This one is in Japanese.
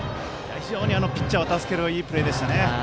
非常にピッチャーを助けるいいプレーでした。